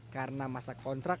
karena masa kontrak